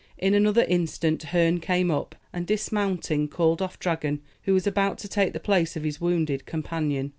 In another instant Herne came up, and, dismounting, called off Dragon, who was about to take the place of his wounded companion.